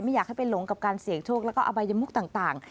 อยากให้ไปหลงกับการเสี่ยงโชคแล้วก็อบายมุกต่าง